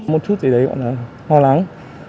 một chút gì đấy còn là ho lắng